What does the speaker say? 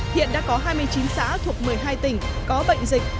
hiện đã có hai mươi chín xã thuộc một mươi hai tỉnh có bệnh dịch